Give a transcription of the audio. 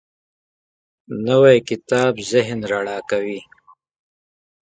نوی کتاب ذهن رڼا کوي